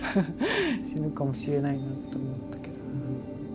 死ぬかもしれないなと思ったけど。